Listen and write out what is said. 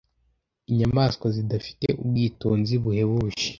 inyamaswa zidafite ubwitonzi buhebuje